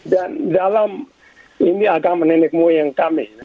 dan dalam ini agama nenek moyang kami